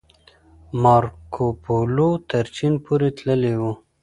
مارکوپولو تر چين پورې تللی و.